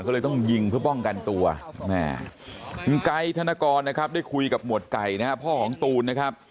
ก็เลยต้องยิงเพื่อป้องกันตัวไก่ธนกรได้คุยกับหมวดไก่พ่อหองตูน